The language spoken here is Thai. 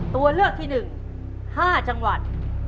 ตัวเลือกที่๑๕จังหวัด